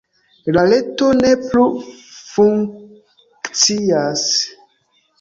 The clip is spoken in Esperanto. La reto ne plu funkcias.